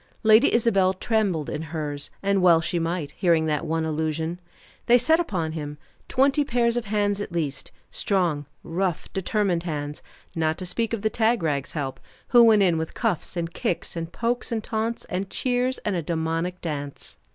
Lady Isabel trembled in hers; and well she might, hearing that one allusion. They set upon him, twenty pairs of hands at least, strong, rough, determined hands; not to speak of the tagrag's help, who went in with cuffs, and kicks, and pokes, and taunts, and cheers, and a demoniac dance.